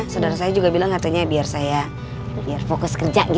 saudara saya juga bilang artinya biar saya fokus kerja